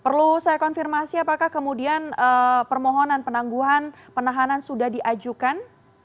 perlu saya konfirmasi apakah kemudian permohonan penangguhan penahanan sudah diajukan